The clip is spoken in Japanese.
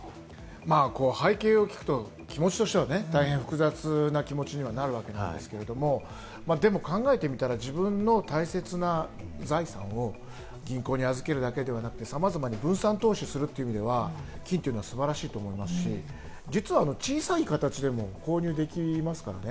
背景を聞くと、気持ちとしてはね大変、複雑な気持ちにはなるわけですけど、考えてみたら自分の大切な財産を銀行に預けるだけではなく、さまざま分散投資するという意味では、金というのは素晴らしいと思いますし、実は小さい形でも購入できますからね。